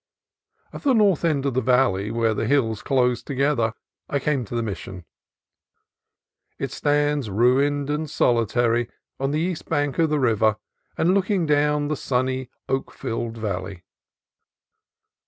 At the north end of the valley, where the hills closed together, I came to the Mission. It stands, ruined and solitary, on the east bank of the river, and looking down the sunny, oak filled valley.